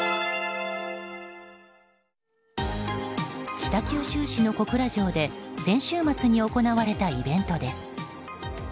北九州市の小倉城で先週末に行われたイベントです。